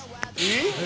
えっ？